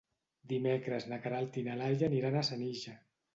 Dimecres na Queralt i na Laia aniran a Senija.